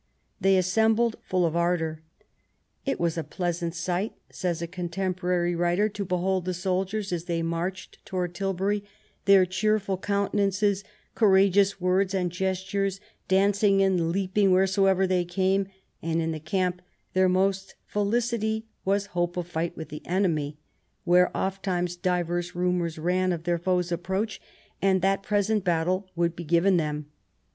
They assembled full of ardour. " It was a pleasant sight," says a contemporary writer, "to behold the soldiers as they marched towards Tilbury, their cheer ful countenances, courageous words and gestures, dancing and leaping wheresoever they came; and, in the camp, their most felicity was hope of fight with the enemy, where ofttimes divers rumours ran of their foe's approach, and that present battle would be given them.